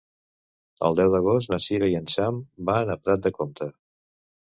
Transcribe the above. El deu d'agost na Sira i en Sam van a Prat de Comte.